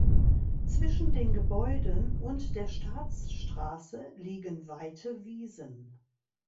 Zwischen den Gebäuden und der Staatsstraße liegen weite Wiesen.